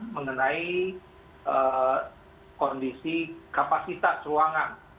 mengenai kondisi kapasitas ruangan